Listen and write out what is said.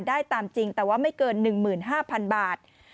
ได้ตามจริงแต่ว่าไม่เกิน๑๕๐๐๐บาท